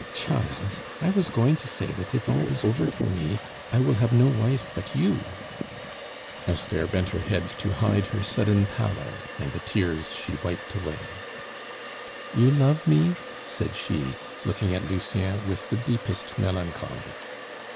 "Child! I was going to say that if all is over for me, I will have no wife but you." Esther bent her head to hide her sudden pallor and the tears she wiped away. "You love me?" said she, looking at Lucien with the deepest melancholy.